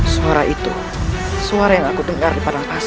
suara itu suara yang aku dengar di padang